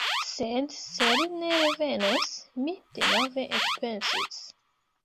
Sed se li ne revenus? Mi denove ekpensis.